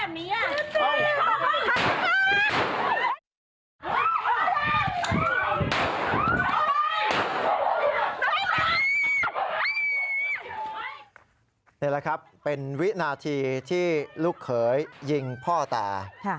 นี่แหละครับเป็นวินาทีที่ลูกเขยยิงพ่อตา